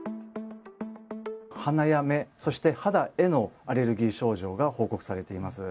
鼻や目、そして肌へのアレルギー症状が報告されています。